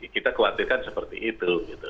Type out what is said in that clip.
kita kewajipkan seperti itu